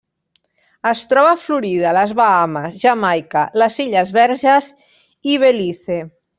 Es troba a Florida, les Bahames, Jamaica, les Illes Verges i Belize.